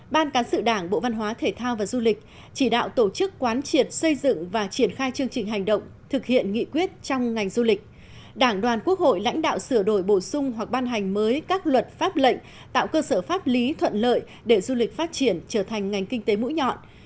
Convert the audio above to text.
một ban cán sự đảng bộ văn hóa thể thao và du lịch chỉ đạo tổ chức quán triệt xây dựng và triển khai chương trình hành động thực hiện nghị quyết trong ngành du lịch đảng đoàn quốc hội lãnh đạo sửa đổi bổ sung hoặc ban hành mới các luật pháp lệnh tạo cơ sở pháp lý thuận lợi để du lịch phát triển trở thành ngành kinh tế mũi nhọn